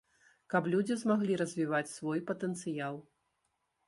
Каб людзі змаглі развіваць свой патэнцыял.